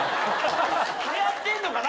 はやってんのかな